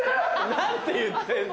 何て言ってるの？